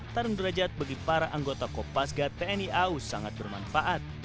tarung derajat bagi para anggota kopasga tni aus sangat bermanfaat